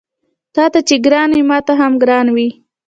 تاته چې ګران وي ماته هم ګران وي